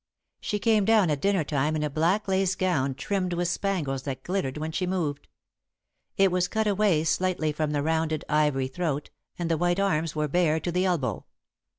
She came down at dinner time in a black lace gown trimmed with spangles that glittered when she moved. It was cut away slightly from the rounded, ivory throat, and the white arms were bare to the elbow.